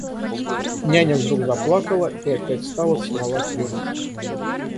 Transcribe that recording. Няня вдруг заплакала и опять стала целовать ее руку.